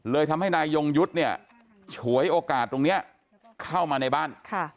ทำให้นายยงยุทธ์เนี่ยฉวยโอกาสตรงนี้เข้ามาในบ้าน